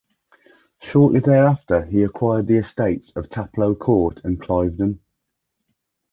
Shortly thereafter he acquired the estates of Taplow Court and Cliveden.